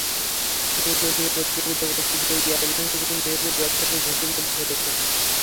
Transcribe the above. মূল্য নিয়ে প্রতিযোগিতা করতে গিয়ে এয়ারলাইনগুলো নিজেদের ব্যবসাকে ঝুঁকির মধ্যে ফেলছে।